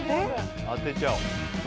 当てちゃおう。